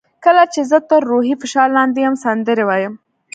کله چې زه تر روحي فشار لاندې یم سندرې وایم.